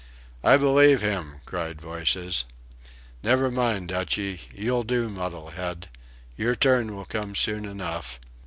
"I believe him!" cried voices.... "Never mind, Dutchy... You'll do, muddle head.... Your turn will come soon enough...